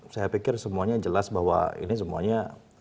saya pikir semuanya jelas bahwa ini semuanya